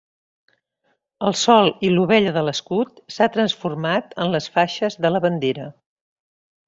El sol i l'ovella de l'escut s'ha transformat en les faixes de la bandera.